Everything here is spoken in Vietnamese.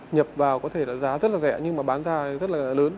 nhập vào có thể là giá rất là rẻ nhưng mà bán ra rất là lớn